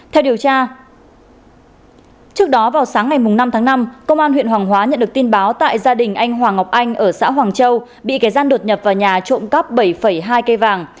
theo điều tra trước đó vào sáng ngày năm tháng năm công an huyện hoàng hóa nhận được tin báo tại gia đình anh hoàng ngọc anh ở xã hoàng châu bị kẻ gian đột nhập vào nhà trộm cắp bảy hai cây vàng